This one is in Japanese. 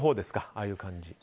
ああいう感じ。